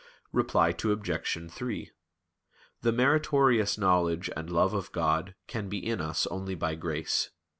Reply Obj. 3: The meritorious knowledge and love of God can be in us only by grace.